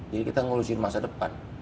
jadi kita ngelusurin masa depan